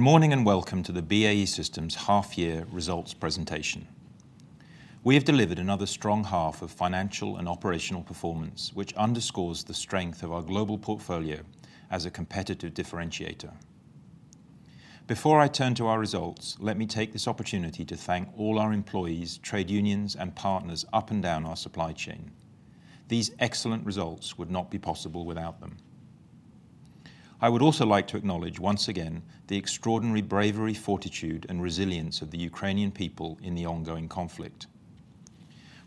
Good morning, and welcome to the BAE Systems half-year results presentation. We have delivered another strong half of financial and operational performance, which underscores the strength of our global portfolio as a competitive differentiator. Before I turn to our results, let me take this opportunity to thank all our employees, trade unions, and partners up and down our supply chain. These excellent results would not be possible without them. I would also like to acknowledge, once again, the extraordinary bravery, fortitude, and resilience of the Ukrainian people in the ongoing conflict.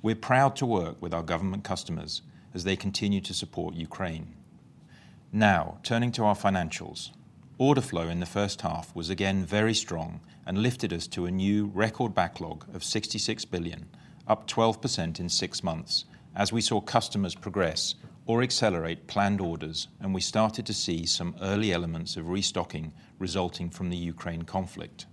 We're proud to work with our government customers as they continue to support Ukraine. Now, turning to our financials. Order flow in the first half was again very strong and lifted us to a new record backlog of 66 billion, up 12% in six months, as we saw customers progress or accelerate planned orders, and we started to see some early elements of restocking resulting from the Ukraine conflict.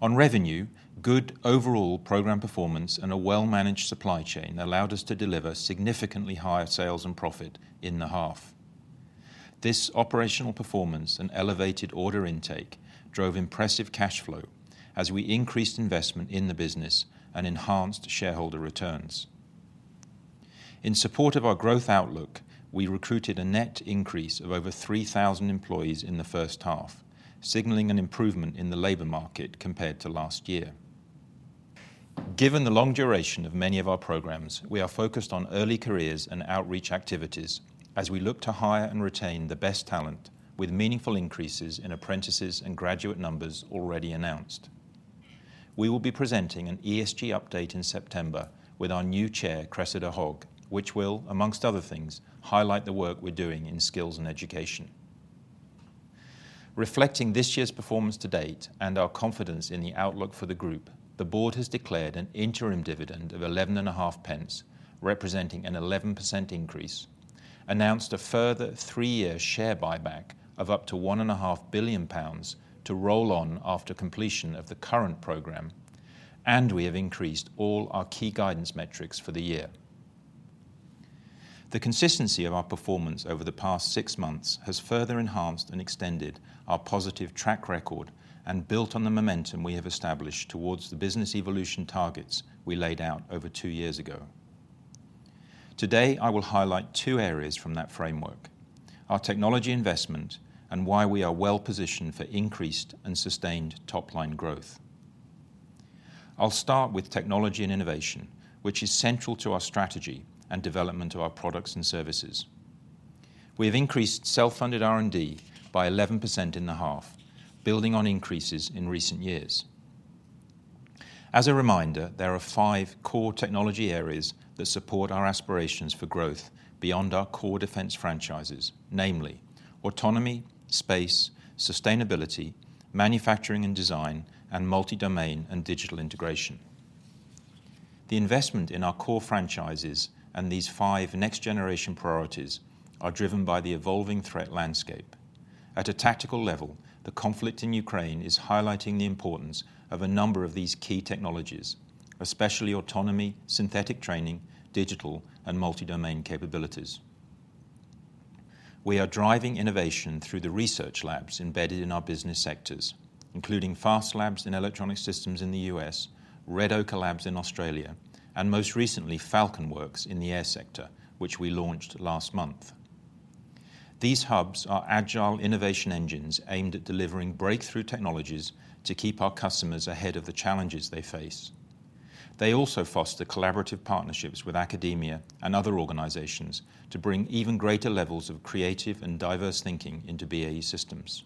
On revenue, good overall program performance and a well-managed supply chain allowed us to deliver significantly higher sales and profit in the half. This operational performance and elevated order intake drove impressive cash flow as we increased investment in the business and enhanced shareholder returns. In support of our growth outlook, we recruited a net increase of over 3,000 employees in the first half, signaling an improvement in the labor market compared to last year. Given the long duration of many of our programs, we are focused on early careers and outreach activities as we look to hire and retain the best talent, with meaningful increases in apprentices and graduate numbers already announced. We will be presenting an ESG update in September with our new Chair, Cressida Hogg, which will, amongst other things, highlight the work we're doing in skills and education. Reflecting this year's performance to date and our confidence in the outlook for the group, the board has declared an interim dividend of 0.115, representing an 11% increase, announced a further three year share buyback of up to 1.5 billion pounds to roll on after completion of the current program, and we have increased all our key guidance metrics for the year. The consistency of our performance over the past six months has further enhanced and extended our positive track record and built on the momentum we have established towards the business evolution targets we laid out over two years ago. Today, I will highlight two areas from that framework: our technology investment and why we are well-positioned for increased and sustained top-line growth. I'll start with technology and innovation, which is central to our strategy and development of our products and services. We have increased self-funded R&D by 11% in the half, building on increases in recent years. As a reminder, there are five core technology areas that support our aspirations for growth beyond our core defense franchises, namely autonomy, space, sustainability, manufacturing and design, and multi-domain and digital integration. The investment in our core franchises and these five next-generation priorities are driven by the evolving threat landscape. At a tactical level, the conflict in Ukraine is highlighting the importance of a number of these key technologies, especially autonomy, synthetic training, digital, and multi-domain capabilities. We are driving innovation through the research labs embedded in our business sectors, including FAST Labs in Electronic Systems in the U.S., Red Ochre Labs in Australia, and most recently, FalconWorks in the air sector, which we launched last month. These hubs are agile innovation engines aimed at delivering breakthrough technologies to keep our customers ahead of the challenges they face. They also foster collaborative partnerships with academia and other organizations to bring even greater levels of creative and diverse thinking into BAE Systems.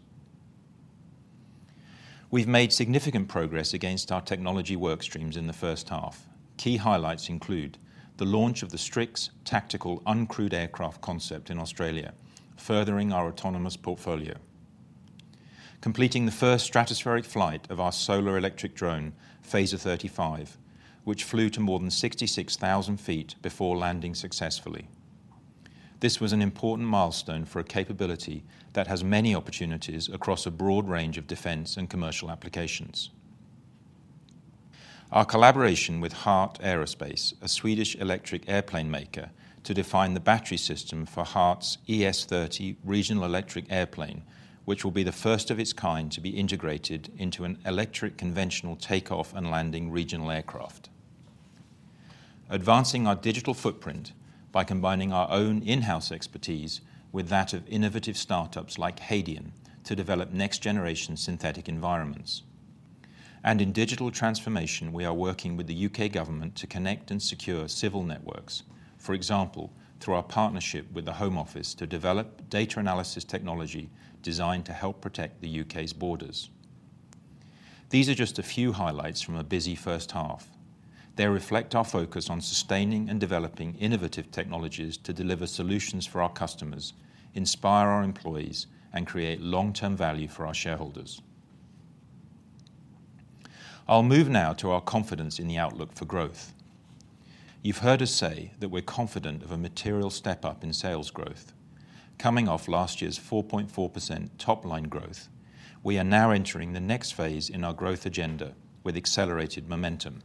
We've made significant progress against our technology work streams in the first half. Key highlights include the launch of the STRIX tactical uncrewed aircraft concept in Australia, furthering our autonomous portfolio. Completing the first stratospheric flight of our solar electric drone, PHASA-35, which flew to more than 66,000 feet before landing successfully. This was an important milestone for a capability that has many opportunities across a broad range of defense and commercial applications. Our collaboration with Heart Aerospace, a Swedish electric airplane maker, to define the battery system for Heart's ES-30 regional electric airplane, which will be the first of its kind to be integrated into an electric, conventional takeoff and landing regional aircraft. Advancing our digital footprint by combining our own in-house expertise with that of innovative startups like Hadean to develop next-generation synthetic environments. In digital transformation, we are working with the UK government to connect and secure civil networks. For example, through our partnership with the Home Office to develop data analysis technology designed to help protect the UK's borders. These are just a few highlights from a busy first half. They reflect our focus on sustaining and developing innovative technologies to deliver solutions for our customers, inspire our employees, and create long-term value for our shareholders. I'll move now to our confidence in the outlook for growth. You've heard us say that we're confident of a material step-up in sales growth. Coming off last year's 4.4% top-line growth, we are now entering the next phase in our growth agenda with accelerated momentum.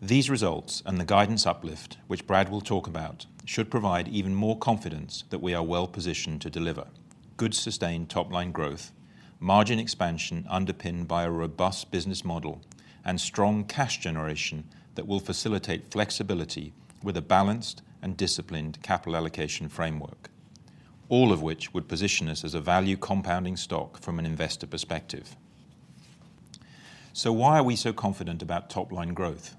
These results and the guidance uplift, which Brad will talk about, should provide even more confidence that we are well-positioned to deliver good sustained top-line growth, margin expansion underpinned by a robust business model, and strong cash generation that will facilitate flexibility with a balanced and disciplined capital allocation framework, all of which would position us as a value-compounding stock from an investor perspective. Why are we so confident about top-line growth?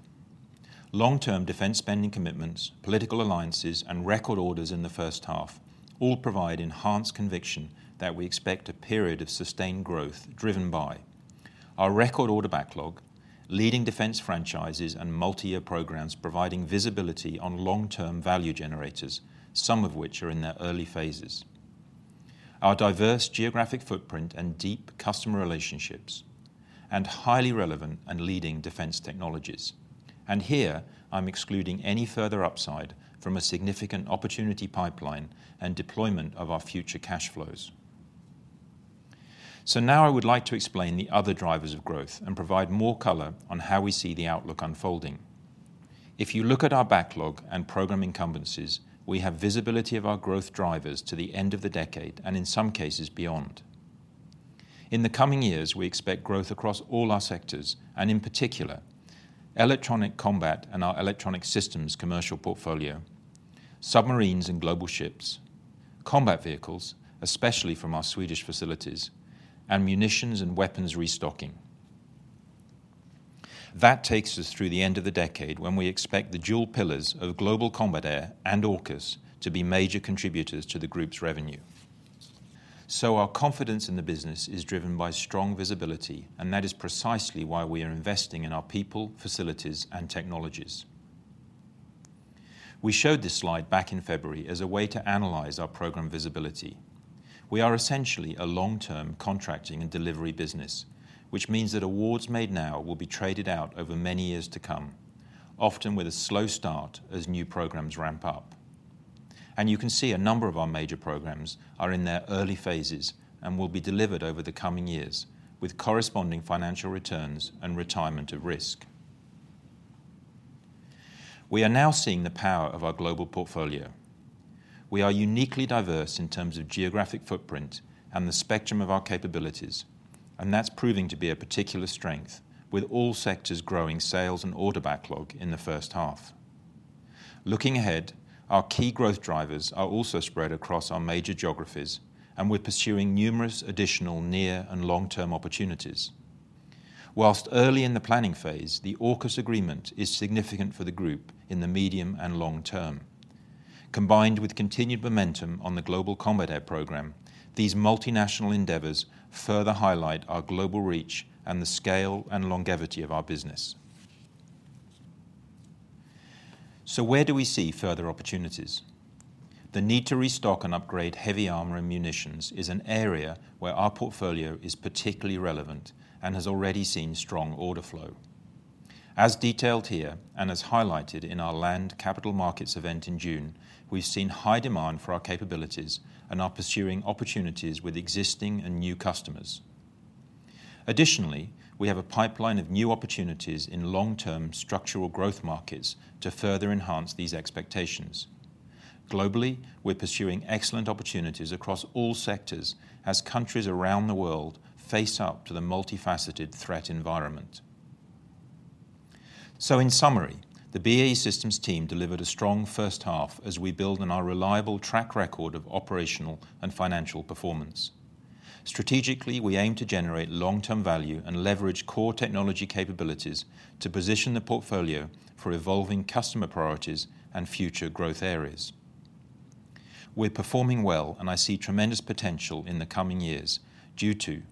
Long-term defense spending commitments, political alliances, and record orders in the first half all provide enhanced conviction that we expect a period of sustained growth, driven by our record order backlog, leading defense franchises, and multi-year programs providing visibility on long-term value generators, some of which are in their early phases, our diverse geographic footprint and deep customer relationships, and highly relevant and leading defense technologies. Here, I'm excluding any further upside from a significant opportunity pipeline and deployment of our future cash flows. Now I would like to explain the other drivers of growth and provide more color on how we see the outlook unfolding. If you look at our backlog and program incumbencies, we have visibility of our growth drivers to the end of the decade, and in some cases, beyond. In the coming years, we expect growth across all our sectors, and in particular, Electronic Systems commercial portfolio, submarines and global ships, combat vehicles, especially from our Swedish facilities, and munitions and weapons restocking. That takes us through the end of the decade, when we expect the dual pillars of Global Combat Air and AUKUS to be major contributors to the group's revenue. Our confidence in the business is driven by strong visibility, and that is precisely why we are investing in our people, facilities, and technologies. We showed this slide back in February as a way to analyze our program visibility. We are essentially a long-term contracting and delivery business, which means that awards made now will be traded out over many years to come, often with a slow start as new programs ramp up. You can see a number of our major programs are in their early phases and will be delivered over the coming years, with corresponding financial returns and retirement of risk. We are now seeing the power of our global portfolio. We are uniquely diverse in terms of geographic footprint and the spectrum of our capabilities, and that's proving to be a particular strength, with all sectors growing sales and order backlog in the first half. Looking ahead, our key growth drivers are also spread across our major geographies, and we're pursuing numerous additional near and long-term opportunities. Whilst early in the planning phase, the AUKUS agreement is significant for the group in the medium and long term. Combined with continued momentum on the Global Combat Air Programme, these multinational endeavors further highlight our global reach and the scale and longevity of our business. Where do we see further opportunities? The need to restock and upgrade heavy armor and munitions is an area where our portfolio is particularly relevant and has already seen strong order flow. As detailed here, and as highlighted in our Land Capital Markets event in June, we've seen high demand for our capabilities and are pursuing opportunities with existing and new customers. Additionally, we have a pipeline of new opportunities in long-term structural growth markets to further enhance these expectations. Globally, we're pursuing excellent opportunities across all sectors as countries around the world face up to the multifaceted threat environment. In summary, the BAE Systems team delivered a strong first half as we build on our reliable track record of operational and financial performance. Strategically, we aim to generate long-term value and leverage core technology capabilities to position the portfolio for evolving customer priorities and future growth areas. We're performing well, and I see tremendous potential in the coming years due to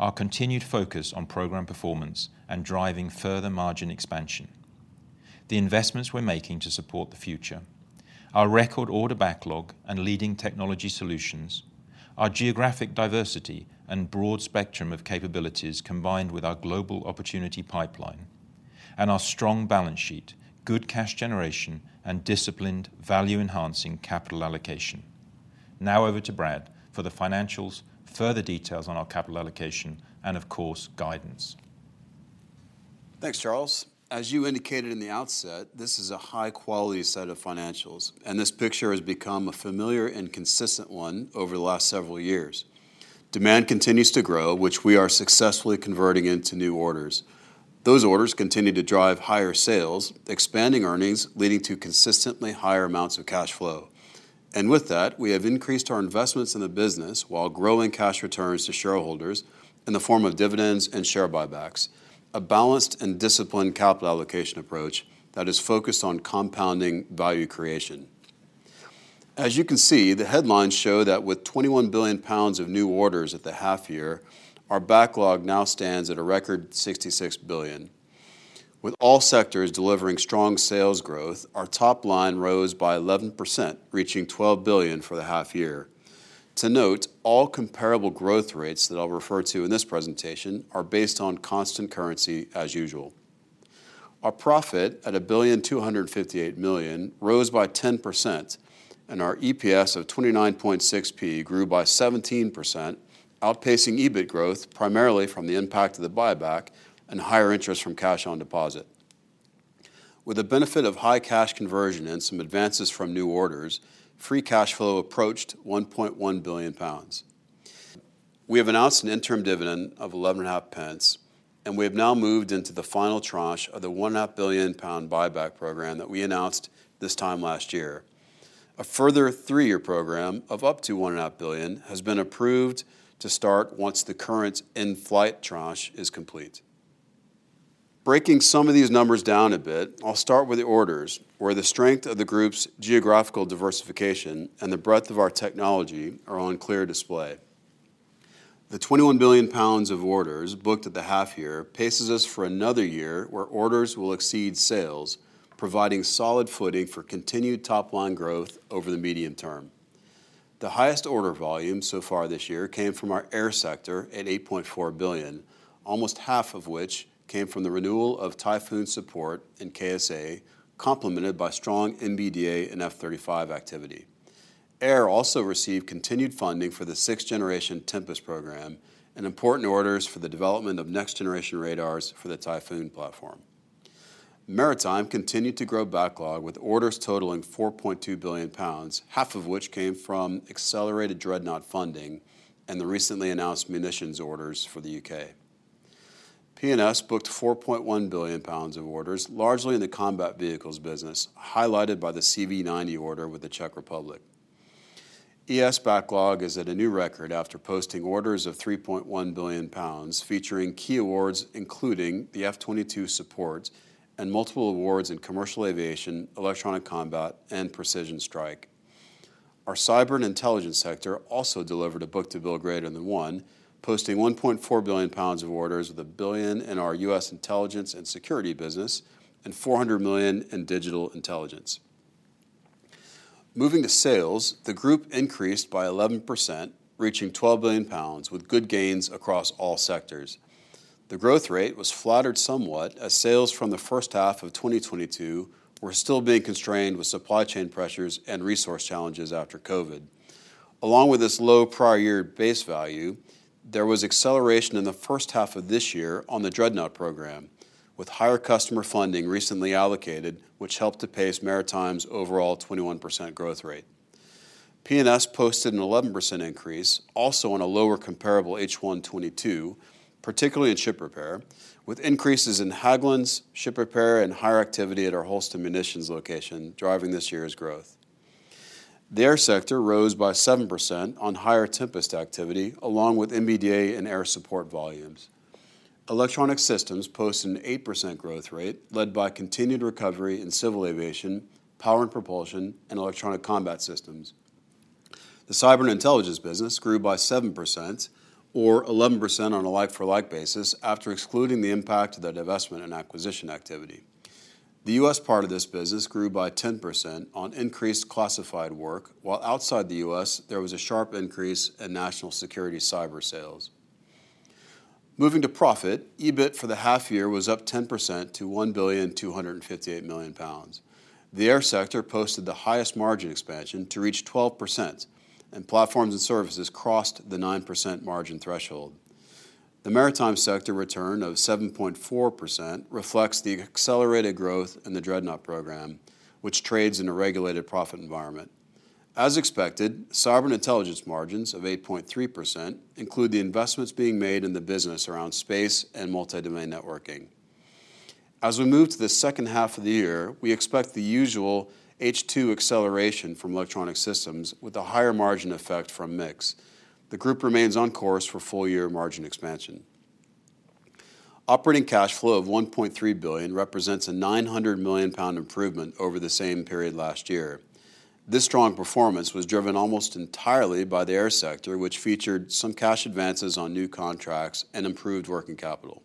our continued focus on program performance and driving further margin expansion, the investments we're making to support the future, our record order backlog and leading technology solutions, our geographic diversity and broad spectrum of capabilities, combined with our global opportunity pipeline, and our strong balance sheet, good cash generation, and disciplined, value-enhancing capital allocation. Now over to Brad for the financials, further details on our capital allocation, and of course, guidance. Thanks, Charles. As you indicated in the outset, this is a high-quality set of financials. This picture has become a familiar and consistent one over the last several years. Demand continues to grow, which we are successfully converting into new orders. Those orders continue to drive higher sales, expanding earnings, leading to consistently higher amounts of cash flow. With that, we have increased our investments in the business while growing cash returns to shareholders in the form of dividends and share buybacks, a balanced and disciplined capital allocation approach that is focused on compounding value creation. As you can see, the headlines show that with 21 billion pounds of new orders at the half year, our backlog now stands at a record 66 billion. With all sectors delivering strong sales growth, our top line rose by 11%, reaching 12 billion for the half year. To note, all comparable growth rates that I'll refer to in this presentation are based on constant currency as usual. Our profit, at 1.258 billion, rose by 10%, and our EPS of 0.296 grew by 17%, outpacing EBIT growth, primarily from the impact of the buyback and higher interest from cash on deposit. With the benefit of high cash conversion and some advances from new orders, free cash flow approached 1.1 billion pounds. We have announced an interim dividend of 0.115, and we have now moved into the final tranche of the 1.5 billion pound buyback program that we announced this time last year. A further three-year program of up to 1.5 billion has been approved to start once the current in-flight tranche is complete. Breaking some of these numbers down a bit, I'll start with the orders, where the strength of the group's geographical diversification and the breadth of our technology are on clear display. The 21 billion pounds of orders booked at the half year paces us for another year, where orders will exceed sales, providing solid footing for continued top-line growth over the medium term. The highest order volume so far this year came from our Air Sector at 8.4 billion, almost half of which came from the renewal of Typhoon support in KSA, complemented by strong MBDA and F-35 activity. Air also received continued funding for the sixth generation Tempest program and important orders for the development of next-generation radars for the Typhoon platform. Maritime continued to grow backlog, with orders totaling 4.2 billion pounds, half of which came from accelerated Dreadnought funding and the recently announced munitions orders for the UK. P&S booked 4.1 billion pounds of orders, largely in the combat vehicles business, highlighted by the CV90 order with the Czech Republic. ES backlog is at a new record after posting orders of 3.1 billion pounds, featuring key awards, including the F-22 support and multiple awards in commercial aviation, electronic combat, and precision strike. Our cyber and intelligence sector also delivered a book-to-bill greater than one, posting 1.4 billion pounds of orders, with 1 billion in our US intelligence and security business and 400 million in Digital Intelligence. Moving to sales, the group increased by 11%, reaching 12 billion pounds, with good gains across all sectors. The growth rate was flattered somewhat as sales from the first half of 2022 were still being constrained with supply chain pressures and resource challenges after COVID. Along with this low prior year base value, there was acceleration in the first half of this year on the Dreadnought program, with higher customer funding recently allocated, which helped to pace Maritime's overall 21% growth rate. P&S posted an 11% increase, also on a lower comparable H1 2022, particularly in ship repair, with increases in Hägglunds, ship repair, and higher activity at our Holston munitions location driving this year's growth. The air sector rose by 7% on higher Tempest activity, along with MBDA and air support volumes. Electronic Systems posted an 8% growth rate, led by continued recovery in civil aviation, power and propulsion, and electronic combat systems. The cyber and intelligence business grew by 7% or 11% on a like-for-like basis after excluding the impact of the divestment and acquisition activity. The U.S. part of this business grew by 10% on increased classified work, while outside the U.S., there was a sharp increase in national security cyber sales. Moving to profit, EBIT for the half year was up 10% to 1,258 million pounds. The air sector posted the highest margin expansion to reach 12%, and Platforms & Services crossed the 9% margin threshold. The maritime sector return of 7.4% reflects the accelerated growth in the Dreadnought program, which trades in a regulated profit environment. As expected, sovereign intelligence margins of 8.3% include the investments being made in the business around space and multi-domain networking. As we move to the second half of the year, we expect the usual H2 acceleration from Electronic Systems with a higher margin effect from mix. The group remains on course for full-year margin expansion. Operating cash flow of 1.3 billion represents a 900 million pound improvement over the same period last year. This strong performance was driven almost entirely by the air sector, which featured some cash advances on new contracts and improved working capital.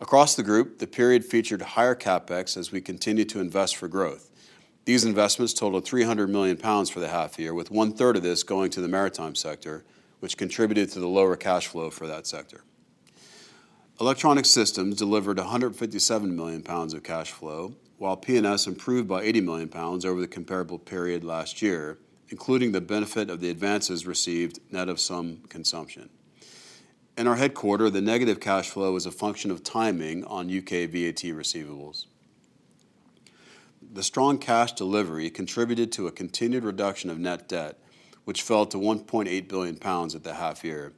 Across the group, the period featured higher CapEx as we continued to invest for growth. These investments totaled 300 million pounds for the half-year, with one-third of this going to the maritime sector, which contributed to the lower cash flow for that sector. Electronic Systems delivered 157 million pounds of cash flow, while P&S improved by 80 million pounds over the comparable period last year, including the benefit of the advances received net of some consumption. In our headquarter, the negative cash flow is a function of timing on UK VAT receivables. The strong cash delivery contributed to a continued reduction of net debt, which fell to 1.8 billion pounds at the half year.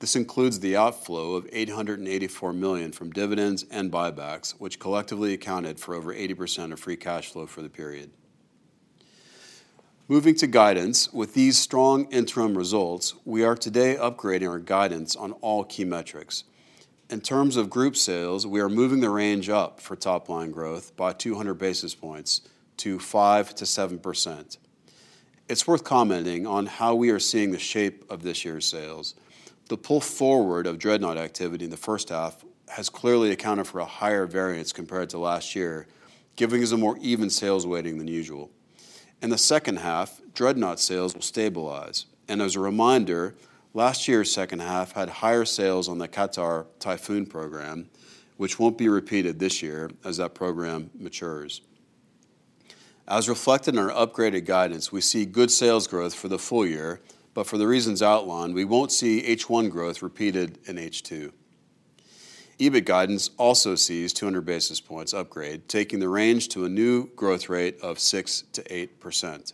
This includes the outflow of 884 million from dividends and buybacks, which collectively accounted for over 80% of free cash flow for the period. Moving to guidance, with these strong interim results, we are today upgrading our guidance on all key metrics. In terms of group sales, we are moving the range up for top-line growth by 200 basis points to 5%-7%. It's worth commenting on how we are seeing the shape of this year's sales. The pull forward of Dreadnought activity in the first half has clearly accounted for a higher variance compared to last year, giving us a more even sales weighting than usual. In the second half, Dreadnought sales will stabilize, and as a reminder, last year's second half had higher sales on the Qatar Typhoon program, which won't be repeated this year as that program matures. As reflected in our upgraded guidance, we see good sales growth for the full year, but for the reasons outlined, we won't see H1 growth repeated in H2. EBIT guidance also sees 200 basis points upgrade, taking the range to a new growth rate of 6%-8%.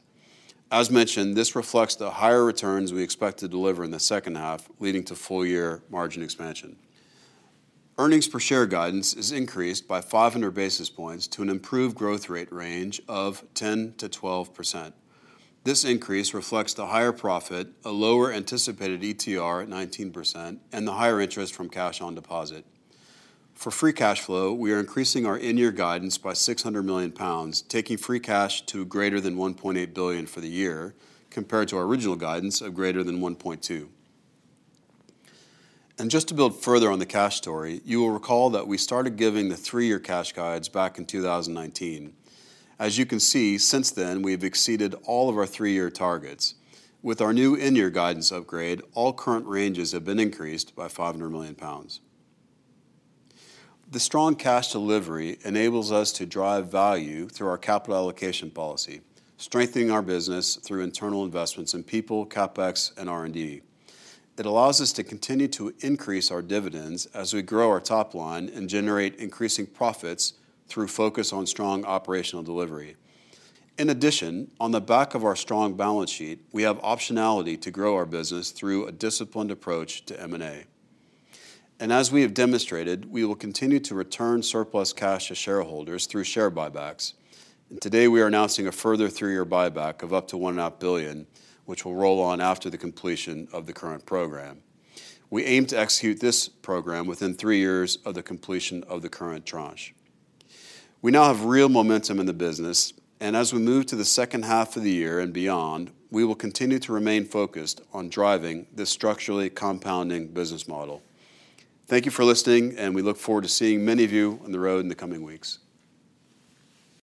As mentioned, this reflects the higher returns we expect to deliver in the second half, leading to full-year margin expansion. Earnings per share guidance is increased by 500 basis points to an improved growth rate range of 10%-12%. This increase reflects the higher profit, a lower anticipated ETR at 19%, and the higher interest from cash on deposit. For free cash flow, we are increasing our in-year guidance by 600 million pounds, taking free cash to greater than 1.8 billion for the year, compared to our original guidance of greater than 1.2 billion. Just to build further on the cash story, you will recall that we started giving the three year cash guides back in 2019. As you can see, since then, we have exceeded all of our three year targets. With our new in-year guidance upgrade, all current ranges have been increased by 500 million pounds. The strong cash delivery enables us to drive value through our capital allocation policy, strengthening our business through internal investments in people, CapEx, and R&D. It allows us to continue to increase our dividends as we grow our top line and generate increasing profits through focus on strong operational delivery. In addition, on the back of our strong balance sheet, we have optionality to grow our business through a disciplined approach to M&A. As we have demonstrated, we will continue to return surplus cash to shareholders through share buybacks. Today, we are announcing a further three year buyback of up to 1.5 billion, which will roll on after the completion of the current program. We aim to execute this program within three years of the completion of the current tranche. We now have real momentum in the business, and as we move to the second half of the year and beyond, we will continue to remain focused on driving this structurally compounding business model. Thank you for listening, and we look forward to seeing many of you on the road in the coming weeks.